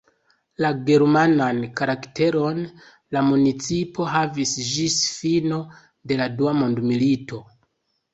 La germanan karakteron la municipo havis ĝis fino de la dua mondmilito.